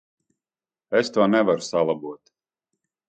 Es to nevaru salabot.